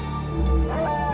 aku tidak percaya dengan kalian